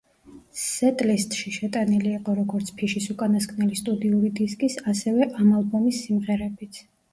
სეტლისტში შეტანილი იყო როგორც ფიშის უკანასკნელი სტუდიური დისკის, ასევე ამ ალბომის სიმღერებიც.